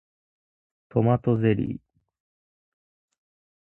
トマトゼリー